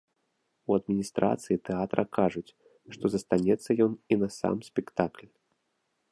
У адміністрацыі тэатра кажуць, што застанецца ён і на сам спектакль.